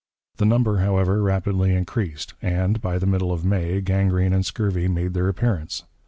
The number, however, rapidly increased, and, by the middle of May, gangrene and scurvy made their appearance.